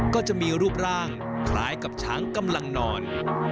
ก็จะมีรูปร่างคล้ายกับช้างกำลังนอน